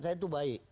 saya itu baik